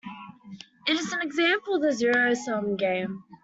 It is an example of a zero-sum game.